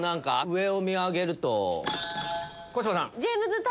上を見上げると。